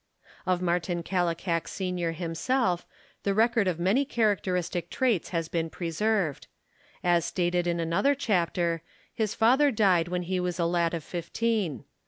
Of Martin Kallikak Sr., himself, the record of many characteristic traits has been preserved. As stated in another chapter, his father died when he was a lad of fifteen.